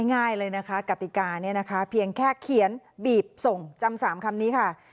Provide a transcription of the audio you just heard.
ง่ายเลยนะคะกติกาเนี่ยนะคะเพียงแค่เขียนบีบส่งจำ๓คำนี้ค่ะ